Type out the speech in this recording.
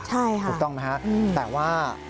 ใช่ค่ะพูดต้องนะฮะแต่ว่า